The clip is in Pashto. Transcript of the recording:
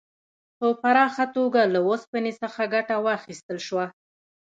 په پراخه توګه له اوسپنې څخه ګټه واخیستل شوه.